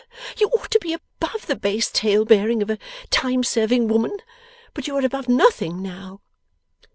You ought to be above the base tale bearing of a time serving woman; but you are above nothing now.